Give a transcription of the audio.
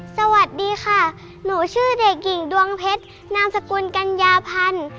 สวัสดีค่ะหนูชื่อเด็กหญิงดวงเพชรนามสกุลกัญญาพันธ์